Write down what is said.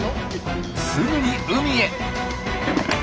すぐに海へ。